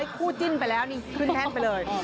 คู่จิ้นไปแล้วตื่นแทนไปเลย